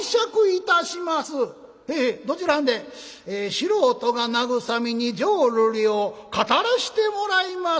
「素人が慰みに浄瑠璃を語らしてもらいます」。